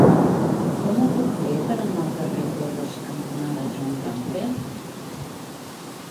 Com ho puc fer per anar al carrer Torres cantonada Joan Gamper?